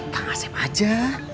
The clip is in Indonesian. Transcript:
kang asep aja